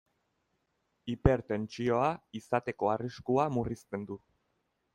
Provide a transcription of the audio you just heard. Hipertentsioa izateko arriskua murrizten du.